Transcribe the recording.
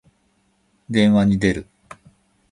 電話に出る。